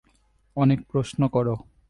অনেক প্রশ্ন করো।